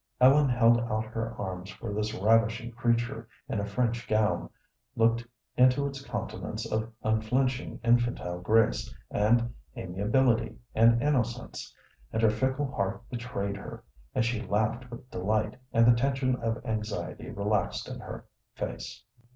Ellen held out her arms for this ravishing creature in a French gown, looked into its countenance of unflinching infantile grace and amiability and innocence, and her fickle heart betrayed her, and she laughed with delight, and the tension of anxiety relaxed in her face.